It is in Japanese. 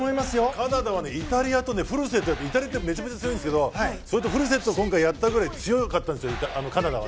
カナダはイタリアとイタリアってめちゃくちゃ強いんですけどそれとフルセットを今回やったくらい強かったんですよ、カナダは。